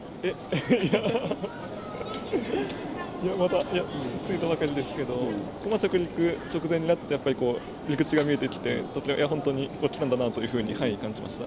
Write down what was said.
いやー、まだ、着いたばかりですけど、着陸直前になってやっぱりこう、陸地が見えてきて、本当に来たんだなというふうに感じました。